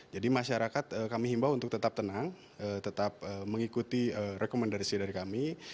jadi masyarakat kami himbau untuk tetap tenang tetap mengikuti rekomendasi dari kami